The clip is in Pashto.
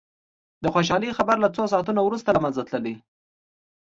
د خوشالي خبر له څو ساعتونو وروسته له منځه تللي.